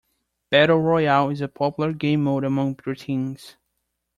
Battle Royale is a popular gamemode among preteens.